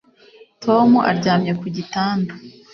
Tom aryamye ku gitanda